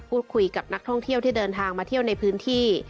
พูดคุยกับนักท่องเที่ยวที่เดินทางมาเที่ยวในพื้นที่